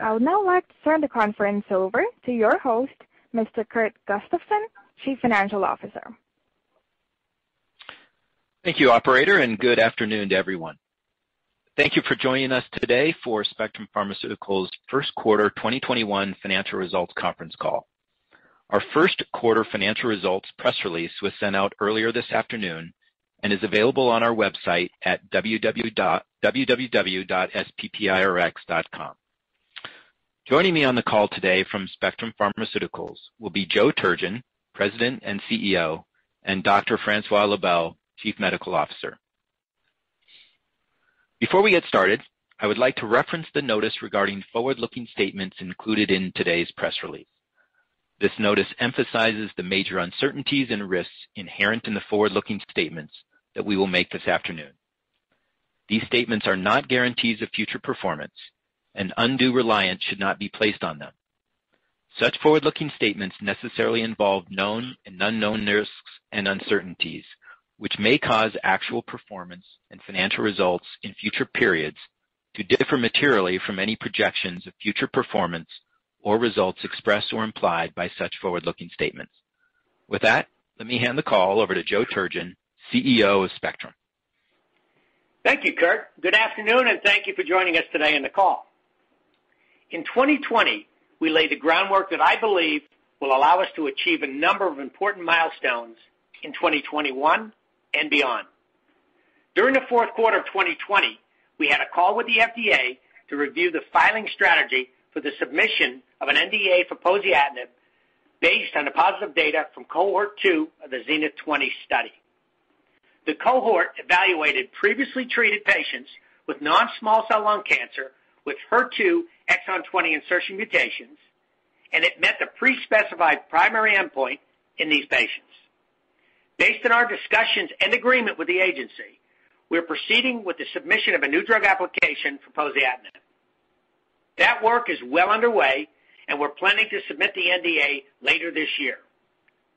I would now like to turn the conference over to your host, Mr. Kurt Gustafson, Chief Financial Officer. Thank you, operator, and good afternoon to everyone. Thank you for joining us today for Spectrum Pharmaceuticals' first quarter 2021 financial results conference call. Our first-quarter financial results press release was sent out earlier this afternoon and is available on our website at www.sppirx.com. Joining me on the call today from Spectrum Pharmaceuticals will be Joe Turgeon, President and CEO, and Dr. François Lebel, Chief Medical Officer. Before we get started, I would like to reference the notice regarding forward-looking statements included in today's press release. This notice emphasizes the major uncertainties and risks inherent in the forward-looking statements that we will make this afternoon. These statements are not guarantees of future performance, and undue reliance should not be placed on them. Such forward-looking statements necessarily involve known and unknown risks and uncertainties, which may cause actual performance and financial results in future periods to differ materially from any projections of future performance or results expressed or implied by such forward-looking statements. With that, let me hand the call over to Joe Turgeon, CEO of Spectrum. Thank you, Kurt. Good afternoon, and thank you for joining us today on the call. In 2020, we laid the groundwork that I believe will allow us to achieve a number of important milestones in 2021 and beyond. During the fourth quarter of 2020, we had a call with the FDA to review the filing strategy for the submission of an NDA for poziotinib, based on the positive data from Cohort 2 of the ZENITH20 study. The Cohort evaluated previously treated patients with non-small cell lung cancer with HER2 exon 20 insertion mutations, and it met the pre-specified primary endpoint in these patients. Based on our discussions and agreement with the agency, we're proceeding with the submission of a new drug application for poziotinib. That work is well underway, and we're planning to submit the NDA later this year.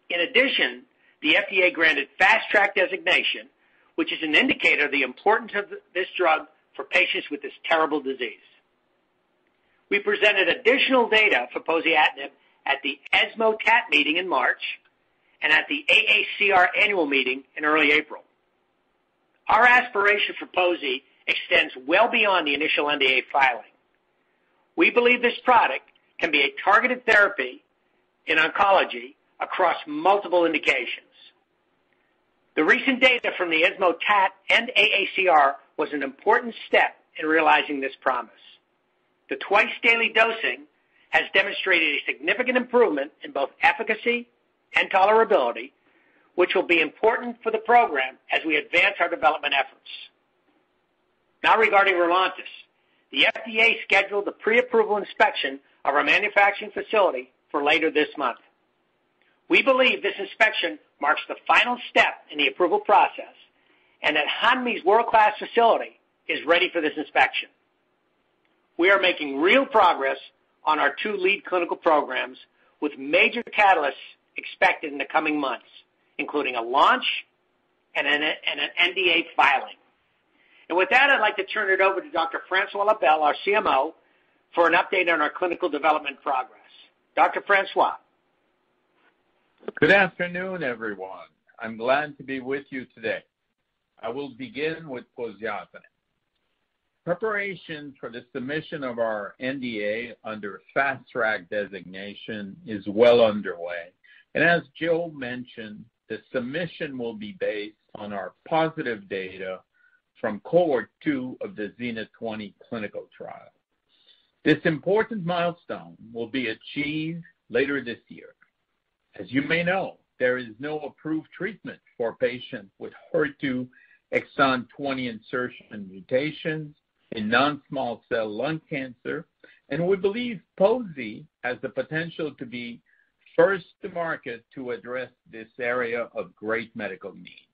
In addition, the FDA granted Fast Track designation, which is an indicator of the importance of this drug for patients with this terrible disease. We presented additional data for poziotinib at the ESMO TAT meeting in March and at the AACR annual meeting in early April. Our aspiration for pozi extends well beyond the initial NDA filing. We believe this product can be a targeted therapy in oncology across multiple indications. The recent data from the ESMO TAT and AACR was an important step in realizing this promise. The twice-daily dosing has demonstrated a significant improvement in both efficacy and tolerability, which will be important for the program as we advance our development efforts. Now, regarding ROLONTIS. The FDA scheduled the pre-approval inspection of our manufacturing facility for later this month. We believe this inspection marks the final step in the approval process and that Hanmi's world-class facility is ready for this inspection. We are making real progress on our two lead clinical programs, with major catalysts expected in the coming months, including a launch and an NDA filing. With that, I'd like to turn it over to Dr. François Lebel, our CMO, for an update on our clinical development progress. Dr. François. Good afternoon, everyone. I'm glad to be with you today. I will begin with poziotinib. Preparation for the submission of our NDA under Fast Track designation is well underway. As Joe mentioned, the submission will be based on our positive data from Cohort 2 of the ZENITH20 clinical trial. This important milestone will be achieved later this year. As you may know, there is no approved treatment for patients with HER2 exon 20 insertion mutations in non-small cell lung cancer, and we believe pozi has the potential to be first to market to address this area of great medical need.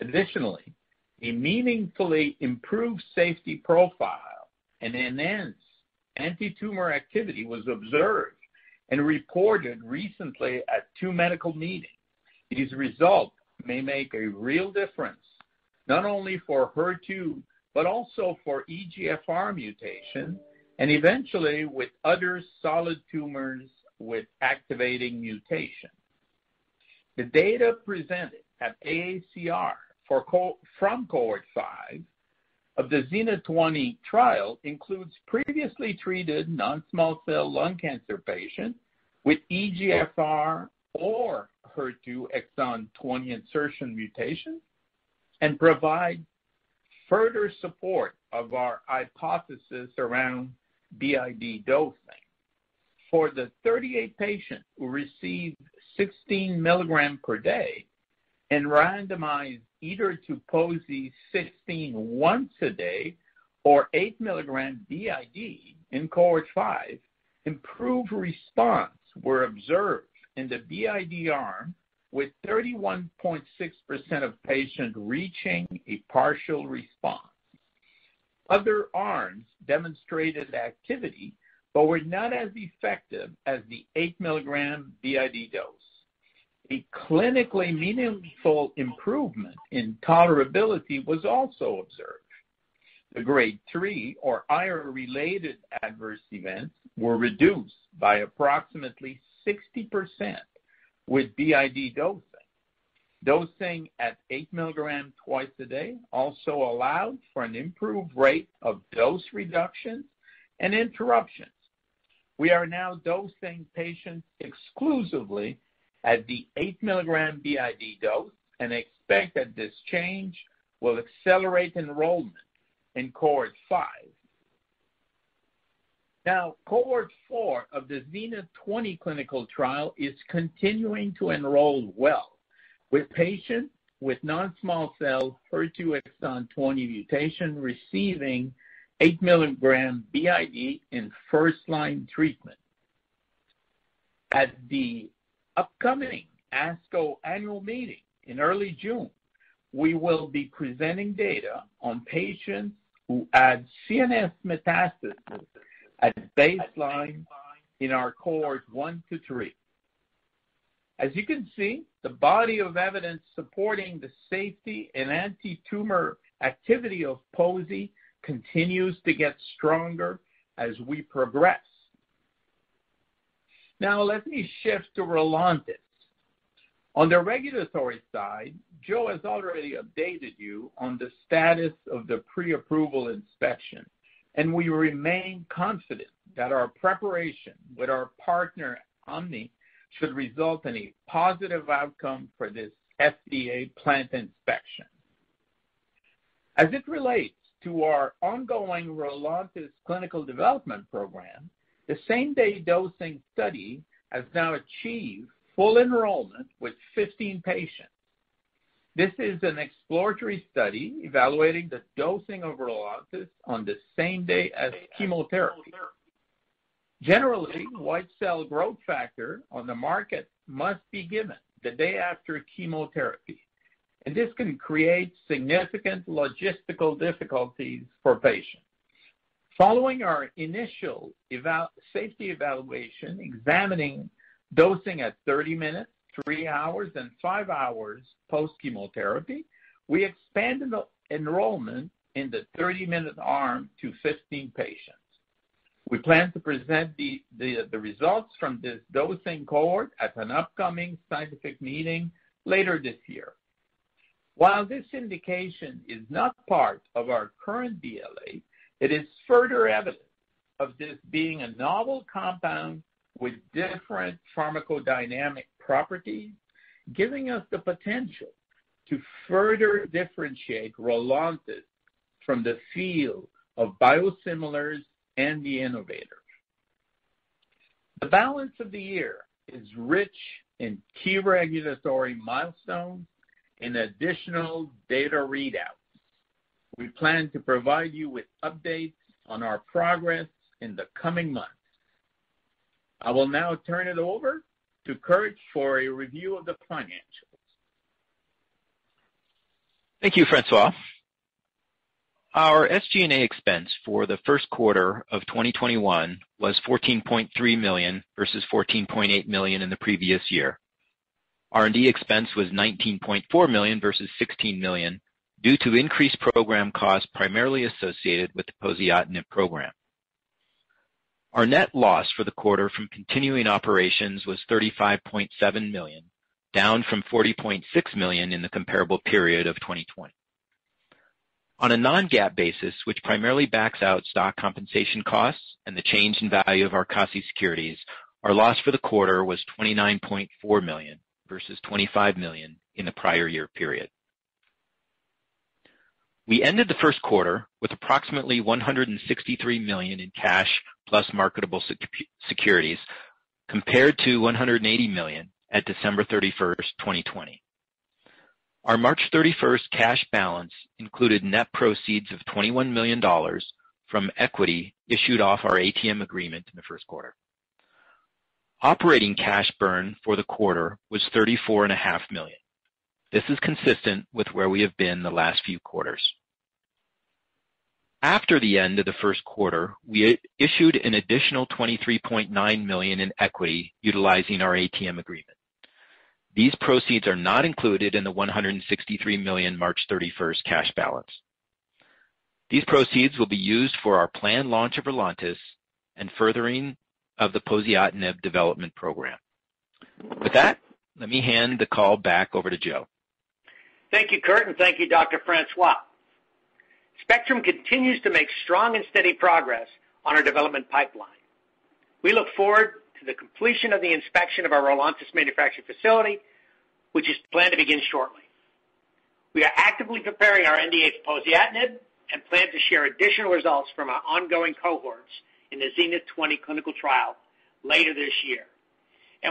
Additionally, a meaningfully improved safety profile and enhanced antitumor activity was observed and reported recently at two medical meetings. These results may make a real difference, not only for HER2, but also for EGFR mutation, and eventually with other solid tumors with activating mutations. The data presented at AACR from Cohort 5 of the ZENITH20 trial includes previously treated non-small cell lung cancer patients with EGFR or HER2 exon 20 insertion mutations and provides further support of our hypothesis around BID dosing. For the 38 patients who received 16 mg per day and randomized either to pozi 16 mg once a day or 8 mg BID in Cohort 5, improved responses were observed in the BID arm with 31.6% of patients reaching a partial response. Other arms demonstrated activity but were not as effective as the 8 mg BID dose. A clinically meaningful improvement in tolerability was also observed. The Grade 3 or TRAE-related Adverse Events were reduced by approximately 60% with BID dosing. Dosing at 8 mg twice a day also allowed for an improved rate of dose reductions and interruptions. We are now dosing patients exclusively at the 8 mg BID dose and expect that this change will accelerate enrollment in Cohort 5. Cohort 4 of the ZENITH20 clinical trial is continuing to enroll well, with patients with non-small cell HER2 exon 20 mutation receiving 8 mg BID in first-line treatment. At the upcoming ASCO annual meeting in early June, we will be presenting data on patients who had CNS metastasis at baseline in our Cohort 1-Cohort 3. As you can see, the body of evidence supporting the safety and antitumor activity of pozi continues to get stronger as we progress. Let me shift to ROLONTIS. On the regulatory side, Joe has already updated you on the status of the pre-approval inspection, and we remain confident that our preparation with our partner, Hanmi, should result in a positive outcome for this FDA plant inspection. As it relates to our ongoing ROLONTIS clinical development program, the same-day dosing study has now achieved full enrollment with 15 patients. This is an exploratory study evaluating the dosing of ROLONTIS on the same day as chemotherapy. Generally, white cell growth factor on the market must be given the day after chemotherapy, and this can create significant logistical difficulties for patients. Following our initial safety evaluation examining dosing at 30 minutes, three hours, and five hours post-chemotherapy, we expanded the enrollment in the 30-minute arm to 15 patients. We plan to present the results from this dosing Cohort at an upcoming scientific meeting later this year. While this indication is not part of our current BLA, it is further evidence of this being a novel compound with different pharmacodynamic properties, giving us the potential to further differentiate ROLONTIS from the field of biosimilars and the innovator. The balance of the year is rich in key regulatory milestones and additional data readouts. We plan to provide you with updates on our progress in the coming months. I will now turn it over to Kurt for a review of the financials. Thank you, François. Our SG&A expense for the first quarter of 2021 was $14.3 million, versus $14.8 million in the previous year. R&D expense was $19.4 million versus $16 million due to increased program costs, primarily associated with the poziotinib program. Our net loss for the quarter from continuing operations was $35.7 million, down from $40.6 million in the comparable period of 2020. On a non-GAAP basis, which primarily backs out stock compensation costs and the change in value of our CASI securities, our loss for the quarter was $29.4 million, versus $25 million in the prior year period. We ended the first quarter with approximately $163 million in cash plus marketable securities, compared to $180 million at December 31st, 2020. Our March 31st cash balance included net proceeds of $21 million from equity issued off our ATM agreement in the first quarter. Operating cash burn for the quarter was $34.5 million. This is consistent with where we have been the last few quarters. After the end of the first quarter, we issued an additional $23.9 million in equity utilizing our ATM agreement. These proceeds are not included in the $163 million March 31st cash balance. These proceeds will be used for our planned launch of ROLONTIS and furthering of the poziotinib development program. With that, let me hand the call back over to Joe. Thank you, Kurt, and thank you, Dr. François. Spectrum continues to make strong and steady progress on our development pipeline. We look forward to the completion of the inspection of our ROLONTIS manufacturing facility, which is planned to begin shortly. We are actively preparing our NDA for poziotinib and plan to share additional results from our ongoing Cohorts in the ZENITH20 clinical trial later this year.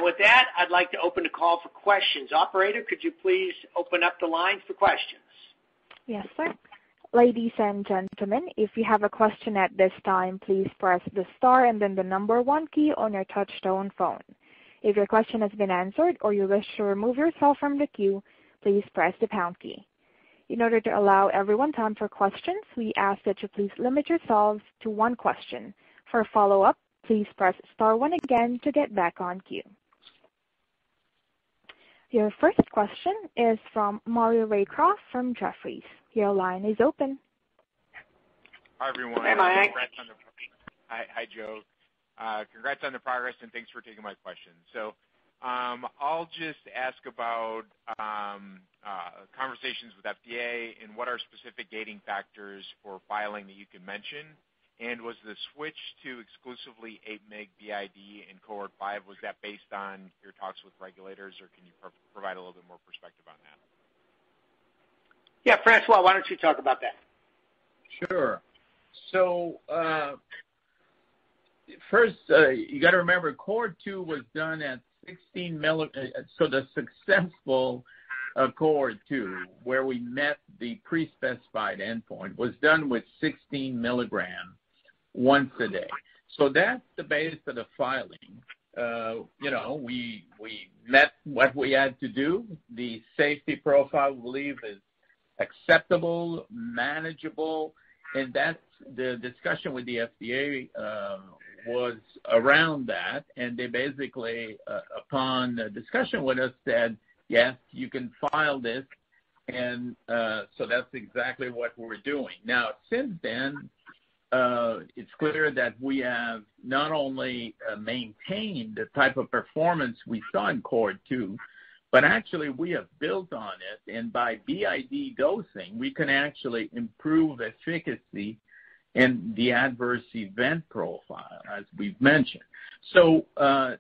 With that, I'd like to open the call for questions. Operator, could you please open up the line for questions? Yes, sir. Ladies and gentlemen, if you have a question at this time, please press the star and then the number one key on your touch-tone phone. If your question has been answered or you wish to remove yourself from the queue, please press the pound key. In order to allow everyone time for questions, we ask that you please limit yourselves to one question. For follow-up, please press star one again to get back on queue. Your first question is from Maury Raycroft from Jefferies. Your line is open. Hi, everyone. Hey, Maury. Hi, Joe. Congrats on the progress, and thanks for taking my question. I'll just ask about conversations with FDA and what are specific dating factors for filing that you can mention, and was the switch to exclusively 8 mg BID in Cohort 5, was that based on your talks with regulators, or can you provide a little bit more perspective on that? Yeah, François, why don't you talk about that? Sure. First, you got to remember, Cohort 2 was done at 16 mg, so the successful of Cohort 2, where we met the pre-specified endpoint, was done with 16 mg once a day. That's the base for the filing. We met what we had to do. The safety profile, we believe, is acceptable, manageable, and the discussion with the FDA was around that, and they basically, upon a discussion with us, said, "Yes, you can file this," and that's exactly what we're doing. Since then, it's clear that we have not only maintained the type of performance we saw in Cohort 2, but actually we have built on it, and by BID dosing, we can actually improve efficacy and the Adverse Event profile, as we've mentioned.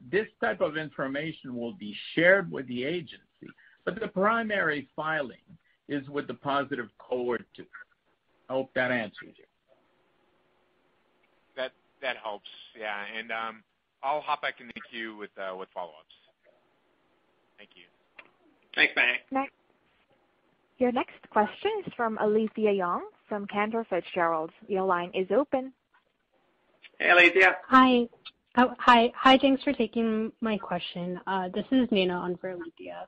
This type of information will be shared with the agency, but the primary filing is with the positive Cohort 2. I hope that answers it. That helps. Yeah. I'll hop back in the queue with follow-ups. Thank you. Thanks, Maury. Your next question is from Alethia Young from Cantor Fitzgerald. Your line is open. Hey, Alethia. Hi. Thanks for taking my question. This is Nina on for Alethia.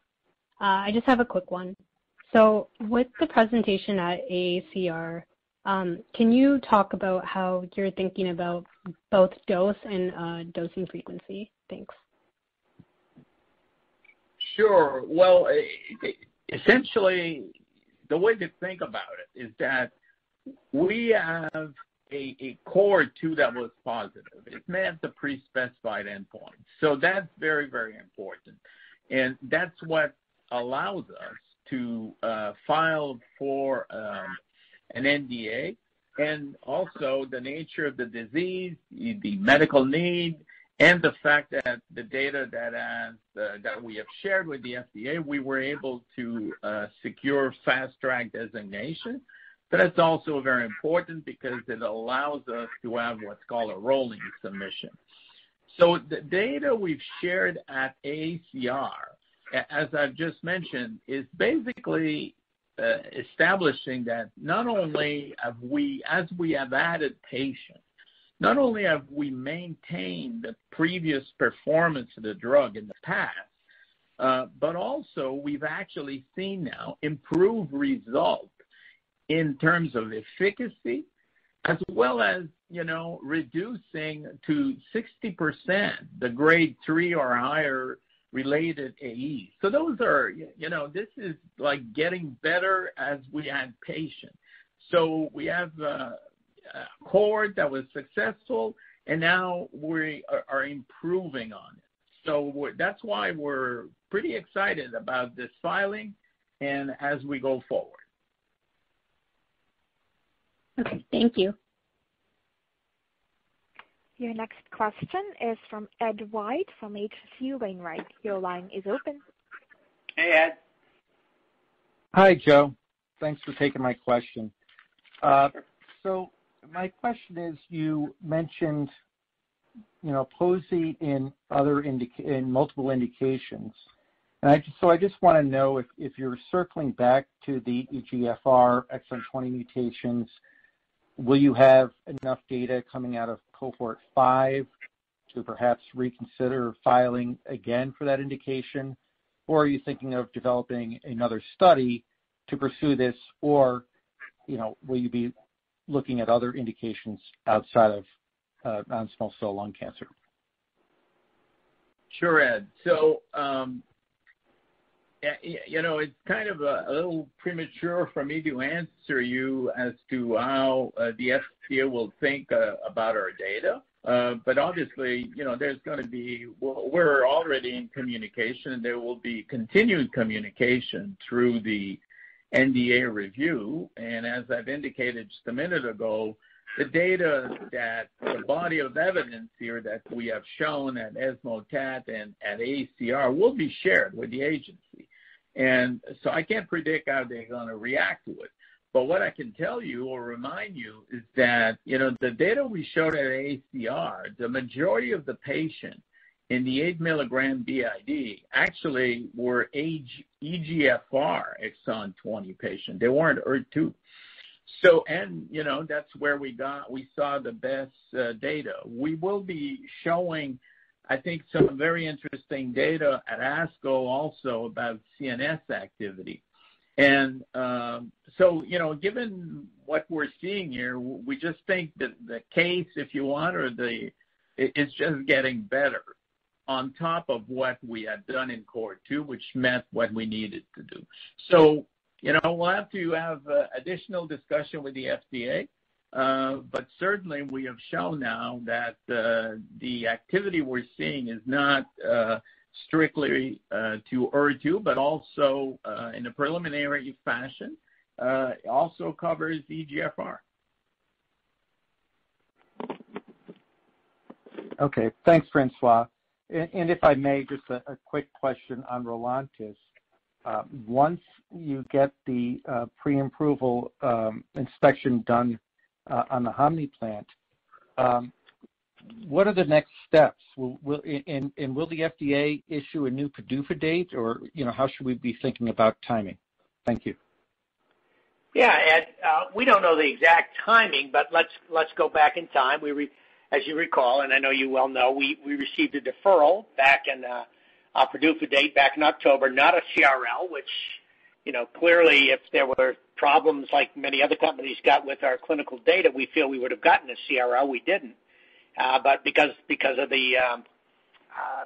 I just have a quick one. With the presentation at AACR, can you talk about how you're thinking about both dose and dosing frequency? Thanks. Sure. Essentially, the way to think about it is that we have a Cohort 2 that was positive. It met the pre-specified endpoint, so that's very important, and that's what allows us to file for an NDA, and also the nature of the disease, the medical need, and the fact that the data that we have shared with the FDA, we were able to secure Fast Track designation. That's also very important because it allows us to have what's called a rolling submission. The data we've shared at AACR, as I've just mentioned, is basically establishing that as we have added patients, not only have we maintained the previous performance of the drug in the past, but also we've actually seen now improved results in terms of efficacy, as well as reducing to 60% the Grade 3 or higher related AEs. This is getting better as we add patients. We have a Cohort that was successful, and now we are improving on it. That's why we're pretty excited about this filing and as we go forward. Okay. Thank you. Your next question is from Ed White from H.C. Wainwright. Your line is open. Hey, Ed. Hi, Joe. Thanks for taking my question. My question is, you mentioned, pozi in multiple indications. I just want to know if you're circling back to the EGFR exon 20 mutations. Will you have enough data coming out of Cohort 5 to perhaps reconsider filing again for that indication? Are you thinking of developing another study to pursue this? Will you be looking at other indications outside of non-small cell lung cancer? Sure, Ed. It's kind of a little premature for me to answer you as to how the FDA will think about our data. Obviously, we're already in communication, and there will be continued communication through the NDA review. As I've indicated just a minute ago, the data that the body of evidence here that we have shown at ESMO TAT and at AACR will be shared with the agency. I can't predict how they're going to react to it. What I can tell you or remind you is that the data we showed at AACR, the majority of the patients in the 8 mg BID actually were EGFR exon 20 patients. They weren't HER2. That's where we saw the best data. We will be showing, I think, some very interesting data at ASCO, also about CNS activity. Given what we're seeing here, we just think that the case, if you want, or it's just getting better on top of what we had done in Cohort 2, which met what we needed to do. We'll have to have additional discussion with the FDA. Certainly, we have shown now that the activity we're seeing is not strictly to HER2, but also in a preliminary fashion, also covers EGFR. Okay. Thanks, François. If I may, just a quick question on ROLONTIS. Once you get the pre-approval inspection done on the Hanmi plant, what are the next steps? Will the FDA issue a new PDUFA date, or how should we be thinking about timing? Thank you. Yeah, Ed. We don't know the exact timing. Let's go back in time. As you recall, and I know you well know, we received a PDUFA date back in October, not a CRL, which clearly, if there were problems like many other companies got with our clinical data, we feel we would have gotten a CRL. We didn't. Because of the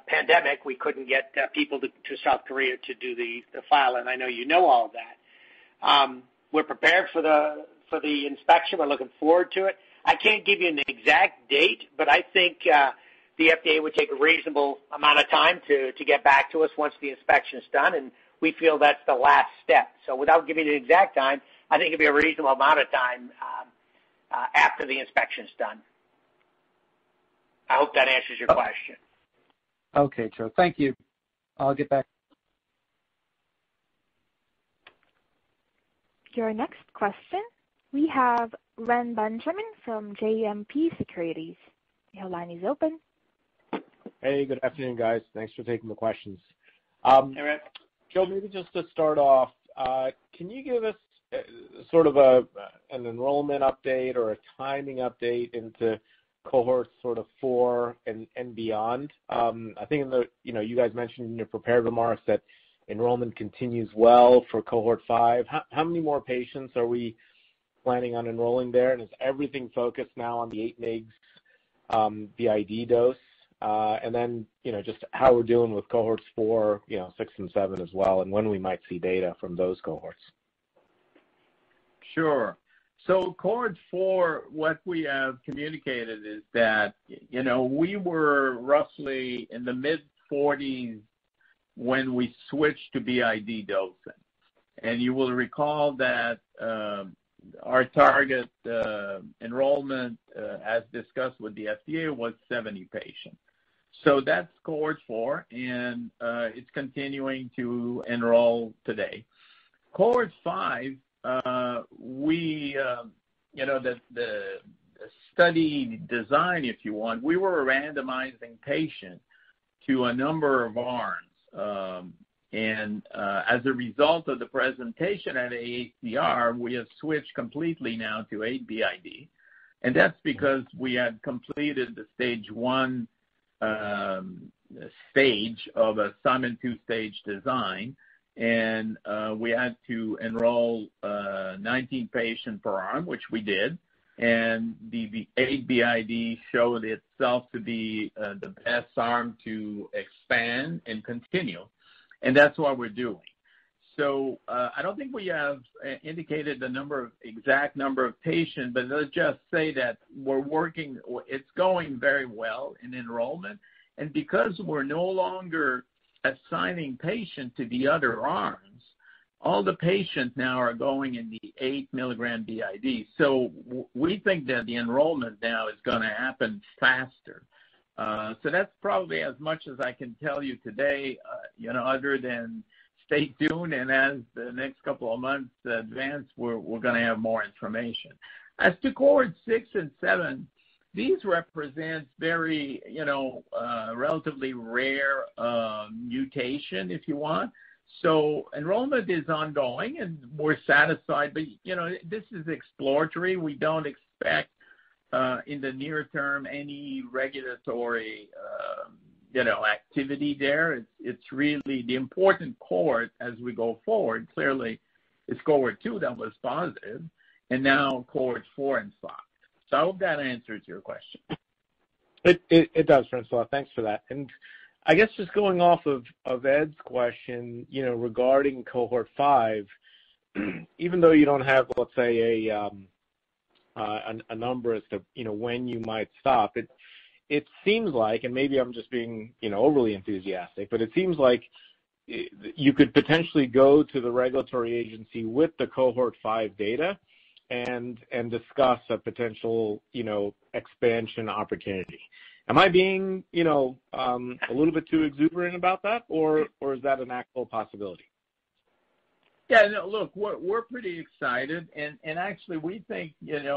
pandemic, we couldn't get people to South Korea to do the file, and I know you know all that. We're prepared for the inspection. We're looking forward to it. I can't give you an exact date. I think the FDA would take a reasonable amount of time to get back to us once the inspection's done, and we feel that's the last step. Without giving you an exact time, I think it'd be a reasonable amount of time after the inspection's done. I hope that answers your question. Okay, sure. Thank you. I'll get back. Your next question, we have Ren Benjamin from JMP Securities. Your line is open. Hey, good afternoon, guys. Thanks for taking the questions. Hey, Ren. Joe, maybe just to start off, can you give us sort of an enrollment update or a timing update into Cohorts 4 and beyond? I think you guys mentioned in your prepared remarks that enrollment continues well for Cohort 5. How many more patients are we planning on enrolling there? Is everything focused now on the 8 mg BID dose? Then, just how we're dealing with Cohort 4, Cohort 6, and Cohort 7 as well, and when we might see data from those Cohorts? Sure. Cohort 4, what we have communicated is that, we were roughly in the mid-40s when we switched to BID dosing. You will recall that our target enrollment, as discussed with the FDA, was 70 patients. That's Cohort 4, and it's continuing to enroll today. Cohort 5, the study design, if you want, we were randomizing patients to a number of arms. As a result of the presentation at AACR, we have switched completely now to 8 mg BID, and that's because we had completed the Stage 1 stage of a Simon two-stage design, and we had to enroll 19 patients per arm, which we did, and the 8 mg BID showed itself to be the best arm to expand and continue, and that's what we're doing. I don't think we have indicated the exact number of patients, but let's just say that it's going very well in enrollment. Because we're no longer assigning patients to the other arms, all the patients now are going in the 8 mg BID. We think that the enrollment now is going to happen faster. That's probably as much as I can tell you today, other than stay tuned and as the next couple of months advance, we're going to have more information. As to Cohort 6 and Cohort 7, these represent very relatively rare mutation, if you want. Enrollment is ongoing and we're satisfied, but this is exploratory. We don't expect, in the near term, any regulatory activity there. The important cohort as we go forward, clearly, is Cohort 2 that was positive and now Cohort 4 and Cohort 5. I hope that answers your question. It does, François. Thanks for that. I guess just going off of Ed's question regarding Cohort 5, even though you don't have, let's say, a number as to when you might stop, it seems like, and maybe I'm just being overly enthusiastic, but it seems like you could potentially go to the regulatory agency with the Cohort 5 data and discuss a potential expansion opportunity. Am I being a little bit too exuberant about that, or is that an actual possibility? Yeah. Look, we're pretty excited, actually, we think there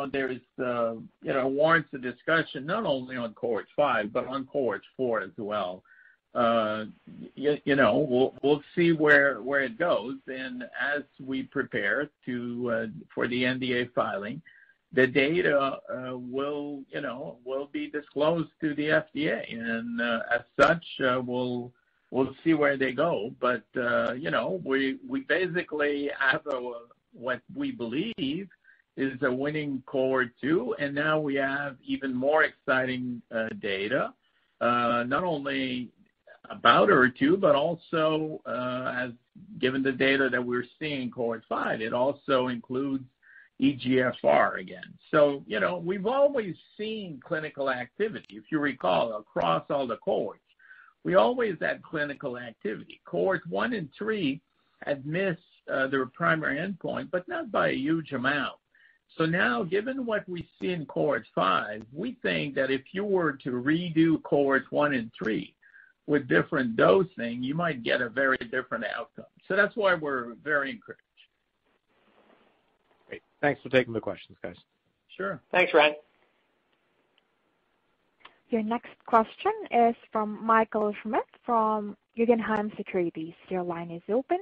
warrants a discussion not only on Cohort 5 but on Cohort 4 as well. We'll see where it goes. As we prepare for the NDA filing, the data will be disclosed to the FDA, as such, we'll see where they go. We basically have what we believe is a winning Cohort 2, now we have even more exciting data not only about HER2, also given the data that we're seeing in Cohort 5, it also includes EGFR again. We've always seen clinical activity. If you recall, across all the cohorts, we always had clinical activity. Cohort 1 and Cohort 3 had missed their primary endpoint, not by a huge amount. Now, given what we see in Cohort 5, we think that if you were to redo Cohort 1 and Cohort 3 with different dosing, you might get a very different outcome. That's why we're very encouraged. Great. Thanks for taking the questions, guys. Sure. Thanks, Ren. Your next question is from Michael Schmidt from Guggenheim Securities. Your line is open.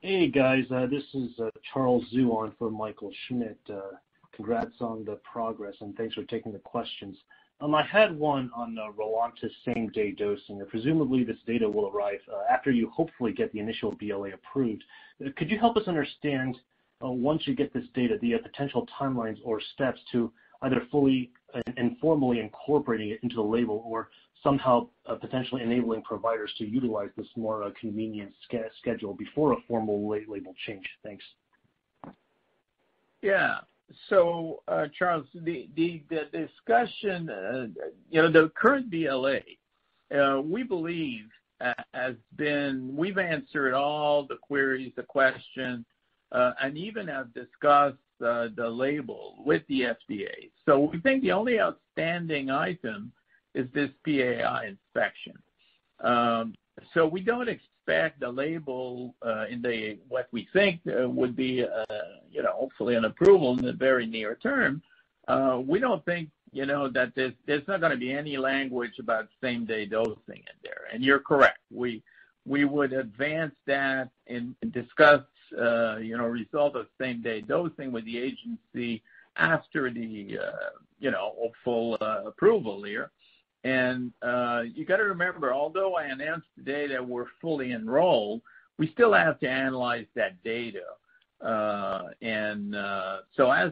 Hey, guys. This is Charles Zhu on for Michael Schmidt. Congrats on the progress, and thanks for taking the questions. I had one on ROLONTIS same-day dosing. Presumably, this data will arrive after you hopefully get the initial BLA approved. Could you help us understand, once you get this data, the potential timelines or steps to either fully and formally incorporating it into the label or somehow potentially enabling providers to utilize this more convenient schedule before a formal label change? Thanks. Charles, the current BLA, we believe we've answered all the queries, the questions, and even have discussed the label with the FDA. We think the only outstanding item is this PAI inspection. We don't expect the label in what we think would be hopefully an approval in the very near term. There's not going to be any language about same-day dosing in there. You're correct. We would advance that and discuss result of same-day dosing with the agency after the full approval here. You got to remember, although I announced today that we're fully enrolled, we still have to analyze that data. As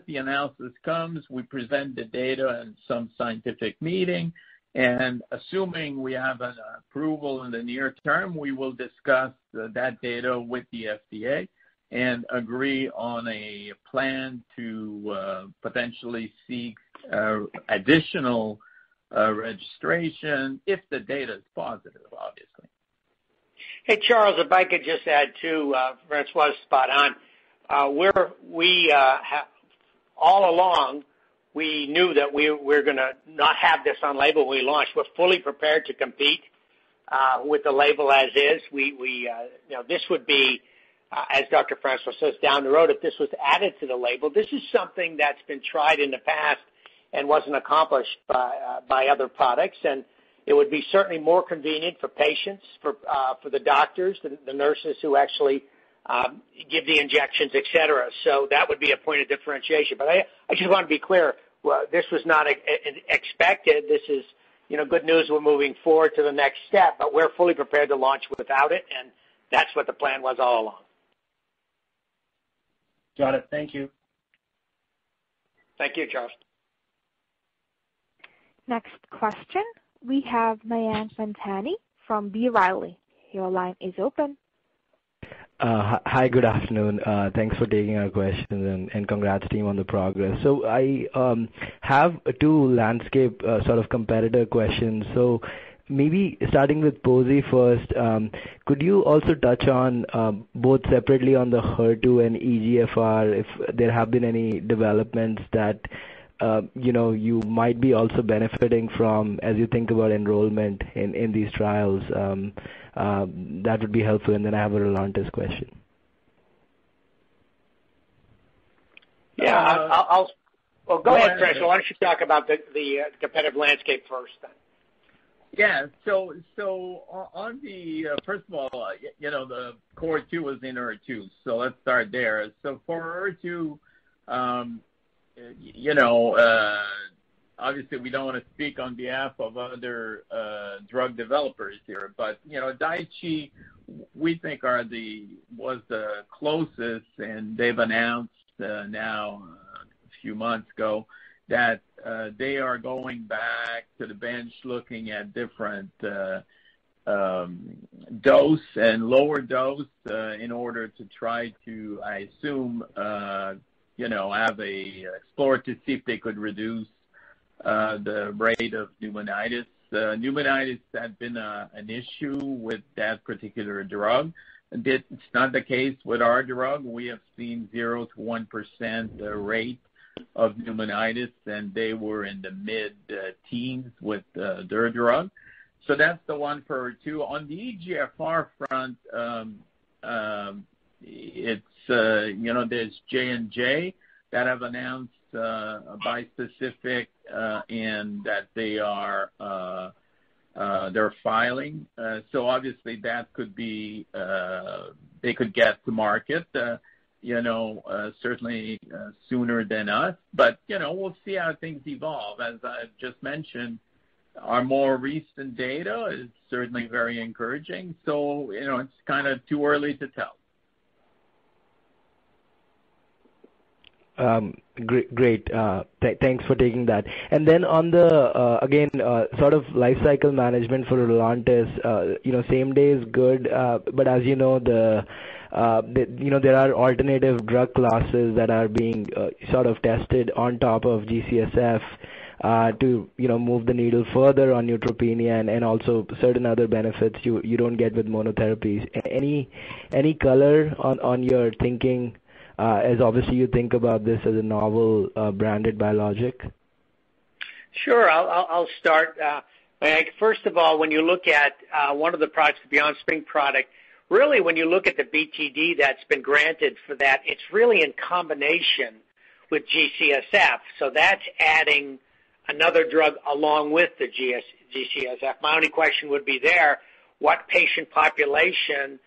the analysis comes, we present the data in some scientific meeting, and assuming we have an approval in the near term, we will discuss that data with the FDA and agree on a plan to potentially seek additional registration if the data is positive, obviously. Hey, Charles, if I could just add, too. François is spot on. All along, we knew that we were going to not have this on label when we launch. We're fully prepared to compete with the label as is. This would be, as Dr. François says, down the road if this was added to the label. This is something that's been tried in the past and wasn't accomplished by other products, and it would be certainly more convenient for patients, for the doctors, the nurses who actually give the injections, et cetera. That would be a point of differentiation. I just want to be clear, this was not expected. This is good news. We're moving forward to the next step, but we're fully prepared to launch without it, and that's what the plan was all along. Got it. Thank you. Thank you, Charles. Next question. We have Mayank Mamtani from B. Riley. Your line is open. Hi. Good afternoon. Thanks for taking our questions and congrats to you on the progress. I have two landscape sort of competitor questions. Maybe starting with pozi first, could you also touch on both separately on the HER2 and EGFR, if there have been any developments that you might be also benefiting from as you think about enrollment in these trials? That would be helpful. I have a ROLONTIS question. Yeah. Go on, François. Why don't you talk about the competitive landscape first then? Yeah. First of all, the Cohort 2 was in HER2, let's start there. For HER2, obviously we don't want to speak on behalf of other drug developers here, but Daiichi, we think was the closest, and they've announced now a few months ago that they are going back to the bench looking at different dose and lower dose in order to try to, I assume, explore to see if they could reduce the rate of pneumonitis. Pneumonitis had been an issue with that particular drug. It's not the case with our drug. We have seen 0 to 1% rate of pneumonitis, and they were in the mid-teens with their drug. That's the one for two. On the EGFR front, there's J&J that has announced bispecific and that they're filing. Obviously, they could get to market certainly sooner than us. We'll see how things evolve. As I've just mentioned, our more recent data is certainly very encouraging, so it's kind of too early to tell. Great. Thanks for taking that. Then on the, again, sort of life cycle management for ROLONTIS, same day is good, but as you know, there are alternative drug classes that are being sort of tested on top of G-CSF, to move the needle further on neutropenia and also certain other benefits you don't get with monotherapies. Any color on your thinking as obviously you think about this as a novel branded biologic? Sure. I'll start. First of all, when you look at one of the products, the BeyondSpring product, really when you look at the BTD that's been granted for that, it's really in combination with G-CSF. That's adding another drug along with the G-CSF. My only question would be there, what patient population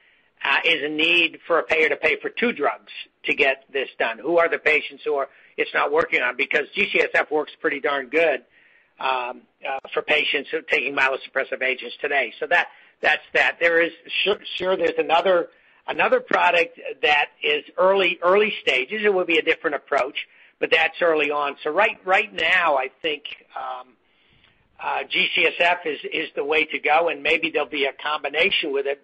is in need for a payer to pay for two drugs to get this done? Who are the patients who it's not working on? Because G-CSF works pretty darn good for patients who are taking myelosuppressive agents today. That's that. Sure, there's another product that is early stages. It would be a different approach, but that's early on. Right now, I think G-CSF is the way to go, and maybe there'll be a combination with it.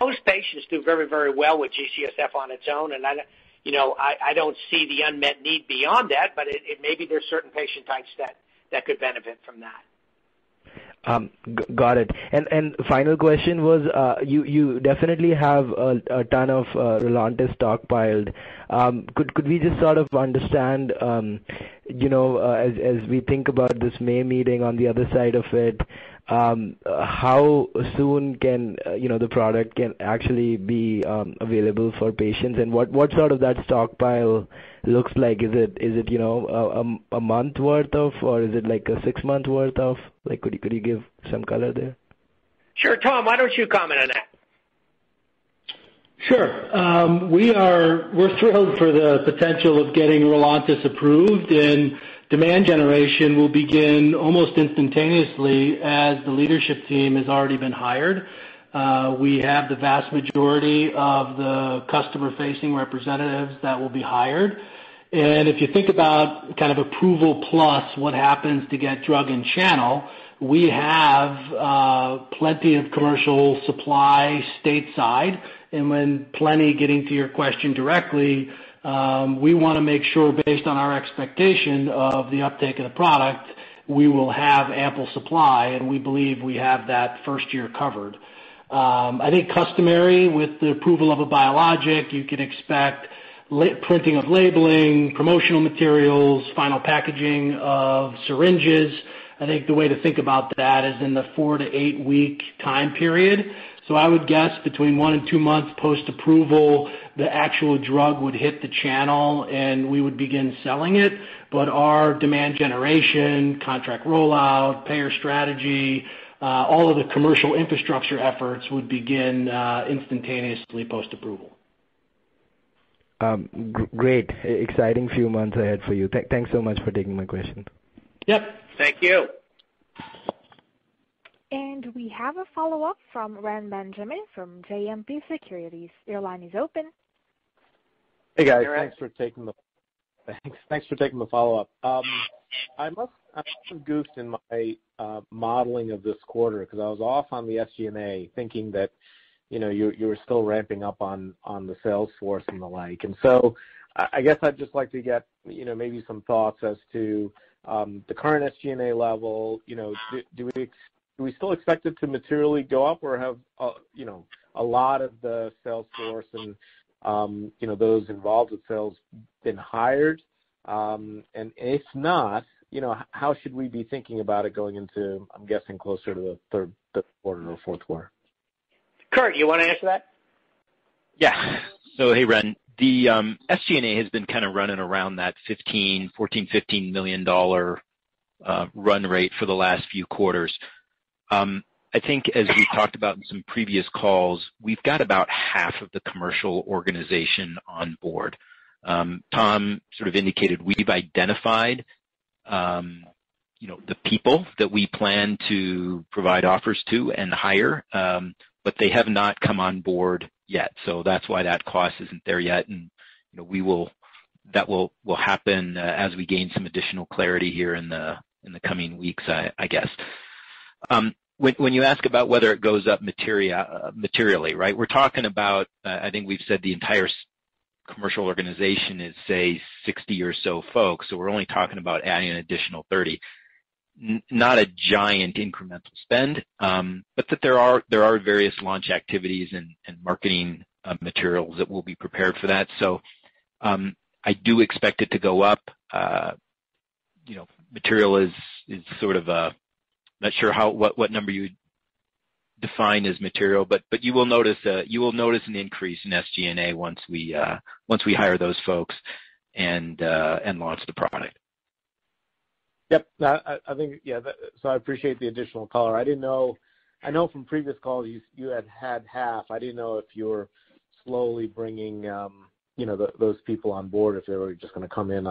Most patients do very well with G-CSF on its own, and I don't see the unmet need beyond that. Maybe there are certain patient types that could benefit from that. Got it. Final question was, you definitely have a ton of ROLONTIS stockpiled. Could we just sort of understand, as we think about this May meeting on the other side of it, how soon can the product actually be available for patients? What sort of that stockpile looks like? Is it a month worth of, or is it like a six-month's worth of? Could you give some color there? Sure. Tom, why don't you comment on that? Sure. We're thrilled for the potential of getting ROLONTIS approved, and demand generation will begin almost instantaneously as the leadership team has already been hired. We have the vast majority of the customer-facing representatives that will be hired. If you think about kind of approval plus what happens to get drug and channel, we have plenty of commercial supply stateside, and when plenty, getting to your question directly, we want to make sure, based on our expectation of the uptake of the product, we will have ample supply, and we believe we have that first year covered. I think customary with the approval of a biologic, you can expect printing of labeling, promotional materials, final packaging of syringes. I think the way to think about that is in the four-eight week time period. I would guess between one and two months post-approval, the actual drug would hit the channel, and we would begin selling it. Our demand generation, contract rollout, payer strategy, all of the commercial infrastructure efforts would begin instantaneously post-approval. Great. Exciting few months ahead for you. Thanks so much for taking my question. Yep. Thank you. We have a follow-up from Ren Benjamin from JMP Securities. Your line is open. Hey, guys. Hey, Ren. Thanks for taking the follow-up. I must have goofed in my modeling of this quarter because I was off on the SG&A, thinking that you were still ramping up on the sales force and the like. I guess I'd just like to get maybe some thoughts as to the current SG&A level. Do we still expect it to materially go up, or have a lot of the sales force and those involved with sales been hired? If not, how should we be thinking about it going into, I'm guessing, closer to the third quarter or fourth quarter? Kurt, you want to answer that? Yeah, hey, Ren. The SG&A has been kind of running around that $14 million, $15 million run rate for the last few quarters. I think, as we've talked about in some previous calls, we've got about half of the commercial organization on board. Tom sort of indicated we've identified the people that we plan to provide offers to and hire, but they have not come on board yet. That's why that cost isn't there yet, and that will happen as we gain some additional clarity here in the coming weeks, I guess. When you ask about whether it goes up materially, right? We're talking about, I think we've said the entire commercial organization is, say, 60 or so folks. We're only talking about adding an additional 30. Not a giant incremental spend, but there are various launch activities and marketing materials that will be prepared for that. I do expect it to go up. Not sure what number you'd define as material. You will notice an increase in SG&A once we hire those folks and launch the product. Yep. I appreciate the additional color. I know from previous calls you had half. I didn't know if you were slowly bringing those people on board or if they were just going to come in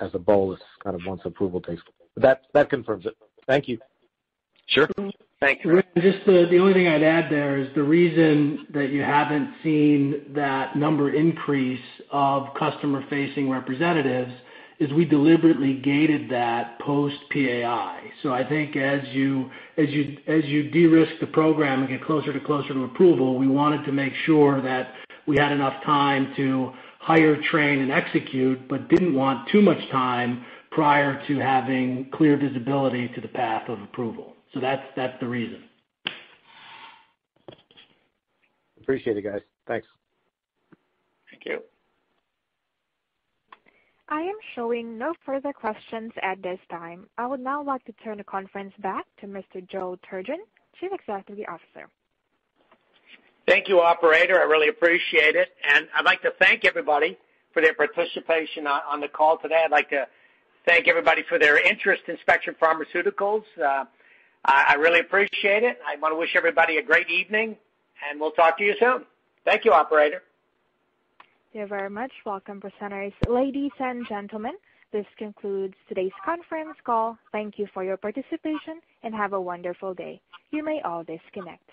as a bolus kind of once approval takes. That confirms it. Thank you. Sure. Thank you. Ren, just the only thing I'd add there is the reason that you haven't seen that number increase of customer-facing representatives is we deliberately gated that post PAI. I think as you de-risk the program and get closer to approval, we wanted to make sure that we had enough time to hire, train, and execute, but didn't want too much time prior to having clear visibility to the path of approval. That's the reason. Appreciate it, guys. Thanks. Thank you. I am showing no further questions at this time. I would now like to turn the conference back to Mr. Joe Turgeon, Chief Executive Officer. Thank you, operator. I really appreciate it, and I'd like to thank everybody for their participation on the call today. I'd like to thank everybody for their interest in Spectrum Pharmaceuticals. I really appreciate it. I want to wish everybody a great evening, and we'll talk to you soon. Thank you, operator. Thank you very much. Welcome, presenters. Ladies and gentlemen, this concludes today's conference call. Thank you for your participation, and have a wonderful day. You may all disconnect.